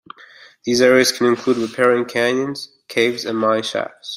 These areas can include riparian canyons, caves, and mine shafts.